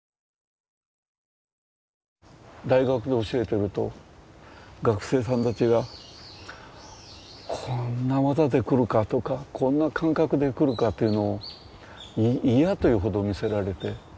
大学で教えてると学生さんたちがこんな技でくるかとかこんな感覚でくるかというのを嫌というほど見せられて。